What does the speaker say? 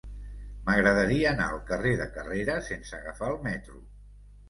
M'agradaria anar al carrer de Carrera sense agafar el metro.